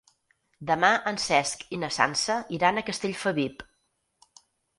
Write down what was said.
Demà en Cesc i na Sança iran a Castellfabib.